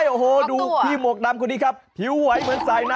โอฮ่อีกนิ่ง